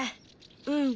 うん。